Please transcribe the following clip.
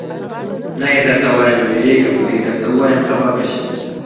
نه یې درته وایم، وېرېږم که یې درته ووایم خفه به شې.